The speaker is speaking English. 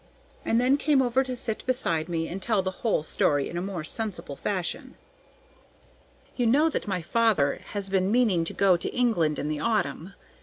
and then came over to sit beside me and tell the whole story in a more sensible fashion. "You know that my father has been meaning to go to England in the autumn?